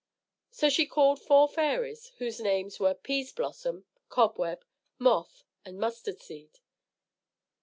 So she called four fairies, whose names were Peaseblossom, Cobweb, Moth, and Mustardseed.